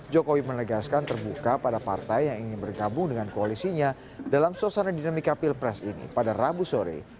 jokowi menegaskan terbuka pada partai yang ingin bergabung dengan koalisinya dalam suasana dinamika pilpres ini pada rabu sore